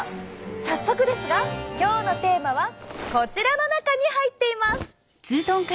早速ですが今日のテーマはこちらの中に入っています！